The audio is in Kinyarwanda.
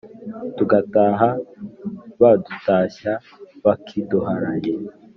Tugataha badutashya bakiduharaye.